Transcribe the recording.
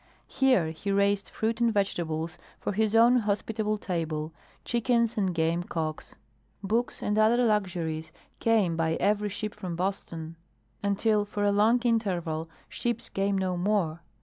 Here he raised fruit and vegetables for his own hospitable table, chickens and game cocks. Books and other luxuries came by every ship from Boston; until for a long interval ships came no more.